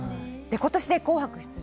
今年で「紅白」出場